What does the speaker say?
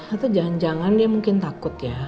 atau jangan jangan dia mungkin takut ya